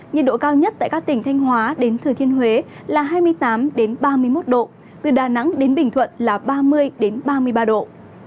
nhiệt độ cao nhất tại các tỉnh thanh hóa đến thừa thiên huế là hai mươi tám ba mươi một độ từ đà nẵng đến bình thuận là ba mươi ba mươi ba độ